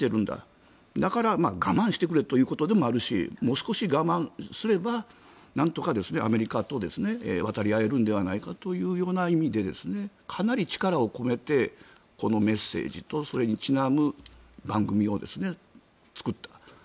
だから、我慢してくれということでもあるしもう少し我慢すればなんとかアメリカと渡り合えるのではないかというような意味でかなり力を込めてこのメッセージとそれにちなむ番組を作った。